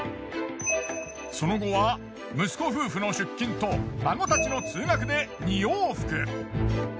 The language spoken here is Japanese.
その後は息子夫婦の出勤と孫たちの通学で２往復。